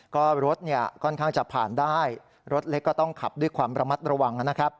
ก็รถค่อนข้างจะผ่านได้รถเล็กก็ต้องขับด้วยความระมัดระวังนะครับ